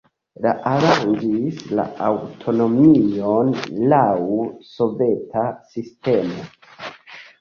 Li aranĝis la aŭtonomion laŭ soveta sistemo.